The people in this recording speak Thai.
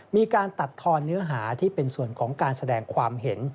มีการตัดทอนเนื้อหาที่เป็นส่วนของการแสดงความเห็น